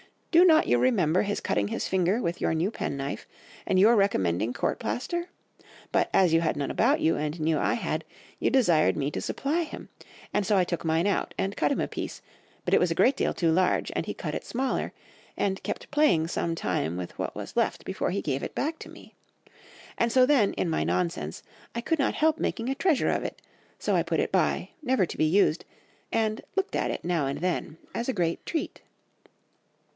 Do not you remember his cutting his finger with your new pen knife, and your recommending court plaister? But, as you had none about you, and knew I had, you desired me to supply him; and so I took mine out, and cut him a piece; but it was a great deal too large, and he cut it smaller, and kept playing some time with what was left before he gave it back to me. And so then, in my nonsense, I could not help making a treasure of it; so I put it by, never to be used, and looked at it now and then as a great treat.